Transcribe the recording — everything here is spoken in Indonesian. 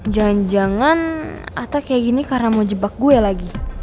jangan jangan atta kayak gini karena mau jebak gue lagi